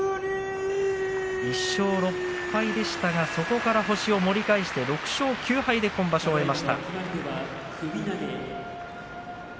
１勝６敗でしたがそこから星を盛り返して６勝９敗で今場所を終えました。